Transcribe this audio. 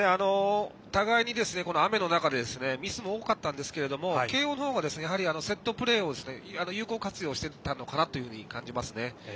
互いに、雨の中でミスも多かったんですが慶応の方がやはりセットプレーを有効活用してたのかなと感じます。